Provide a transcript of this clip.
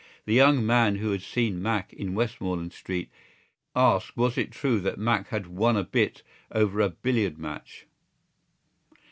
The young man who had seen Mac in Westmoreland Street asked was it true that Mac had won a bit over a billiard match.